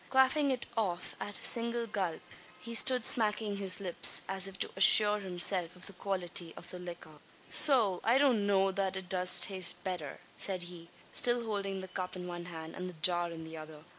Quaffing it off at a single gulp, he stood smacking his lips as if to assure himself of the quality of the liquor. "Sowl! I don't know that it does taste betther," said he, still holding the cup in one hand, and the jar in the other.